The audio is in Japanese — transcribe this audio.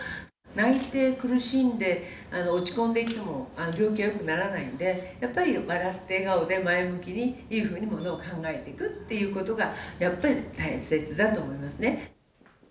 泣いて苦しんで落ち込んでいても、病気はよくならないんで、やっぱり笑って、笑顔で前向きに、いいふうにものを考えていくっていうことが、やっぱり大切だと思いますね。